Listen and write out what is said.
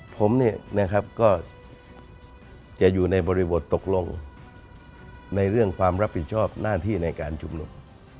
ผมก็จะอยู่ในบริบทตกลงในเรื่องความรับผิดชอบหน้าที่ในการชุมนุม